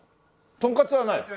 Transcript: トンカツはない？